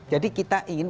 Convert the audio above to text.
jadi kita ingin